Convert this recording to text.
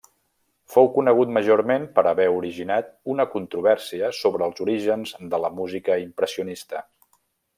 Fou conegut majorment per haver originat una controvèrsia sobre els orígens de la música impressionista.